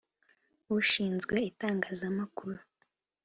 Ushinz we it angazamakuru